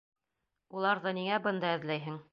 Уларҙы ниңә бында эҙләйһең?